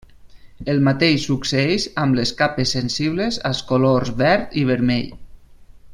El mateix succeeix amb les capes sensibles als colors verd i vermell.